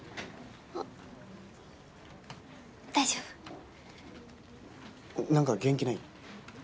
あ大丈夫何か元気ない？